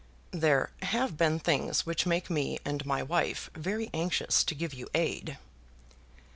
"There have been things which make me and my wife very anxious to give you aid."